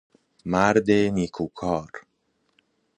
مرد نیکوکار